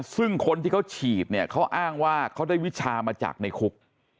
ซึ่งคนที่เขาฉีดเนี่ยเขาอ้างว่าเขาได้วิชามาจากในคุก